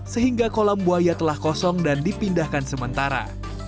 sehingga kolam buaya telah kosong dan dipindahkan sementara